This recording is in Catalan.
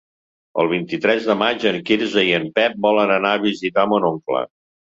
El vint-i-tres de maig en Quirze i en Pep volen anar a visitar mon oncle.